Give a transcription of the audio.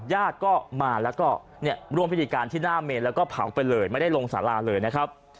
ญาติก็มาแล้วก็เนี่ยร่วมพิธีการที่หน้าเมนแล้วก็เผาไปเลยไม่ได้ลงสาราเลยนะครับ